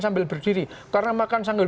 sambil berdiri karena makan sandur